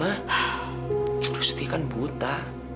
udah setiap kan buta